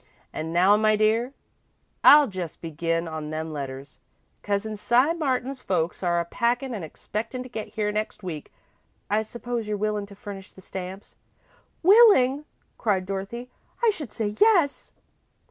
An' now, my dear, I'll just begin on them letters. Cousin Si Martin's folks are a packin' an' expectin' to get here next week. I suppose you're willin' to furnish the stamps?" "Willing!" cried Dorothy, "I should say yes!"